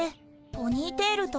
ポニーテール。